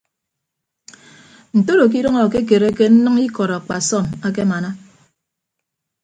Ntoro ke idʌñ akekereke nnʌñ ikọd akpasọm akemana.